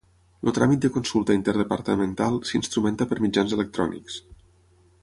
El tràmit de consulta interdepartamental s'instrumenta per mitjans electrònics.